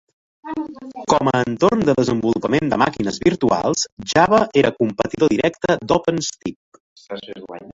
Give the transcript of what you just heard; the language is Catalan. Com a entorn de desenvolupament de màquines virtuals, Java era competidor directe d'OpenStep.